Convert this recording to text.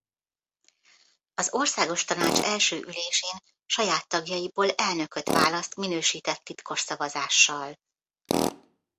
Az országos tanács első ülésén saját tagjaiból elnököt választ minősített titkos szavazással.